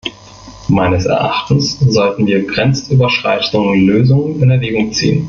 Meines Erachtens sollten wir grenzüberschreitende Lösungen in Erwägung ziehen.